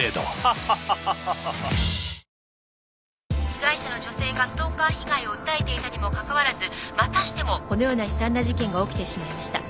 被害者の女性がストーカー被害を訴えていたにもかかわらずまたしてもこのような悲惨な事件が起きてしまいました。